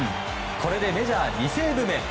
これでメジャー２セーブ目。